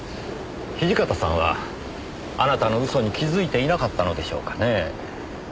土方さんはあなたの嘘に気づいていなかったのでしょうかねぇ？